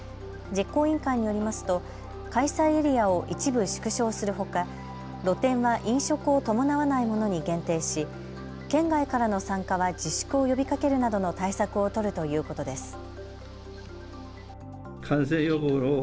実行委員会によりますと開催エリアを一部、縮小するほか露店は飲食を伴わないものに限定し県外からの参加は自粛を呼びかけるなどの対策を取るということです。